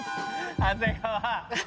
「長谷川！」